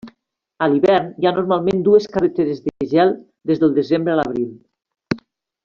A l'hivern, hi ha normalment dues carreteres de gel des del desembre a l'abril.